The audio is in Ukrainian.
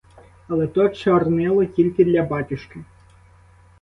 Але то чорнило тільки для батюшки.